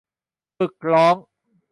ฝึกร้อง